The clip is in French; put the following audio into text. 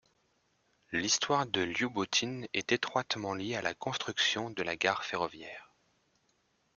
L'histoire de Lioubotyn est étroitement liée à la construction de la gare ferroviaire.